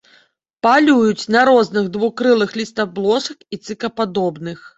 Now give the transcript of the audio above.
Палююць на розных двухкрылых, лістаблошак і цыкадападобных.